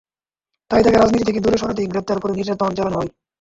তাই তাঁকে রাজনীতি থেকে দূরে সরাতেই গ্রেপ্তার করে নির্যাতন চালানো হয়।